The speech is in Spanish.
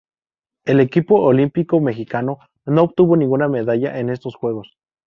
El equipo olímpico mexicano no obtuvo ninguna medalla en estos Juegos.